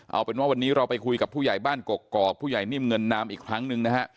เอาเป็นว่าวันนี้เราไปคุยกับผู้ใหญ่บ้านกกอกผู้ใหญ่นิ่มเงินนามอีกครั้งหนึ่งนะฮะ